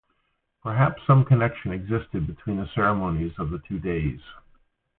Perhaps some connection existed between the ceremonies of the two days.